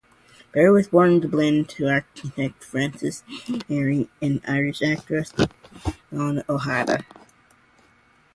Barry was born in Dublin to architect Francis Barry and Irish actress Joan O'Hara.